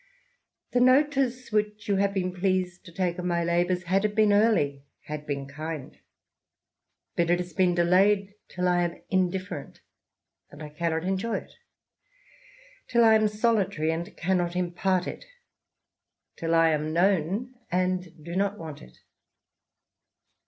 The notice which you have been pleased to take of my labours, had it been early, had been kind \ but it has been delayed till I am indifferent, and I cannot enjoy it ; till I am solitary, and cannot impart it ; till I am ' known, and do not want it.